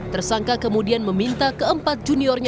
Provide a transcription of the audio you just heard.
tersangka kemudian meminta keempat juniornya